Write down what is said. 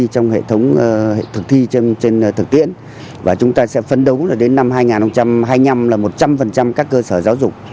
trong hệ thống thực thi trên thực tiễn và chúng ta sẽ phấn đấu là đến năm hai nghìn hai mươi năm là một trăm linh các cơ sở giáo dục